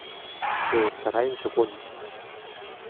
Que estará en su contra.